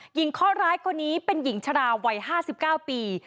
หญิงข้อร้ายคนนี้เป็นหญิงชราวัย๕๙ปี